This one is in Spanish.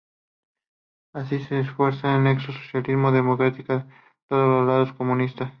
Así, se refuerza el nexo socialismo-democracia, dejando de lado a los comunistas.